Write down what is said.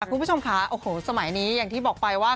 คุณผู้ชมค่ะโอ้โหสมัยนี้อย่างที่บอกไปว่า